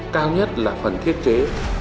cao nhất là phần thiết chế